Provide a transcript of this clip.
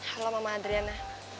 aku mau sama adriana